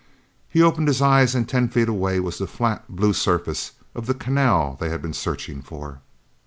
He opened his eyes and ten feet away was the flat blue surface of the canal they had been searching for.